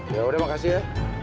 yaudah makasih ya